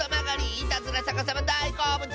いたずらさかさまだいこうぶつ！